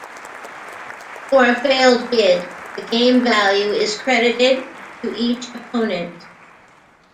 For a failed bid, the game value is credited to each opponent.